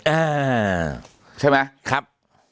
อ่าใช่ไหมครับ